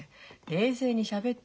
冷静にしゃべってよ。